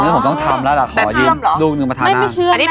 ไม่รู้ผมต้องทำแล้วล่ะขอลูกนึงมาทานหน้า